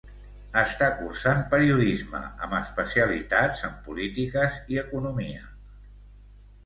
Està cursant Periodisme, amb especialitat en Polítiques i Economia.